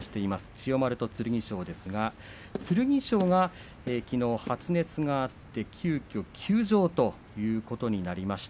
千代丸と剣翔ですが剣翔はきのう発熱があって急きょ休場ということになりました。